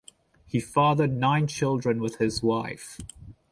He fathered nine children with his wife.